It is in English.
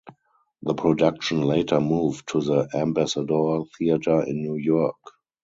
The production later moved to the Ambassador Theatre in New York.